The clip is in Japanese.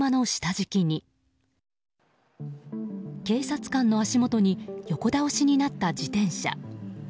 警察官の足元に横倒しになった自転車。